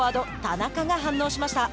田中が反応しました。